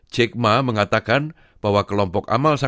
jake ma mengatakan bahwa kelompok amal